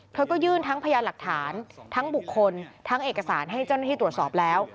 เธอก็ยื่นทั้งพยานหลักฐานทั้งบุคคลทั้งเอกสารให้เจ้าหน้าที่ตรวจสอบแล้ว